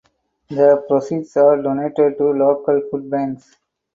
The proceeds are donated to local food banks.